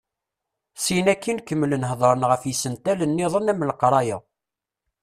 Sin akkin kemmlen hedren ɣef yisental-nniḍen am leqraya.